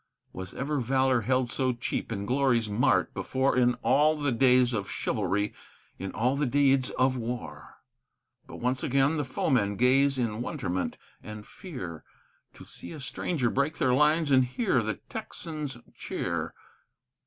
Was ever valor held so cheap in Glory's mart before In all the days of chivalry, in all the deeds of war? But once again the foemen gaze in wonderment and fear To see a stranger break their lines and hear the Texans cheer.